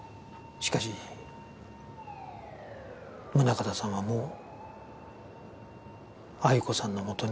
しかし宗形さんはもう鮎子さんのもとには戻れない。